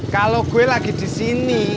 kalau gue lagi di sini